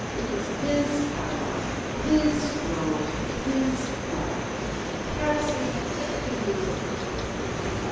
It was his caravan, his road, his world. Carelessly he flicked the mule with the whip.